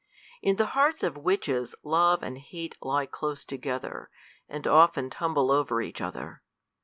In the hearts of witches love and hate lie close together, and often tumble over each other.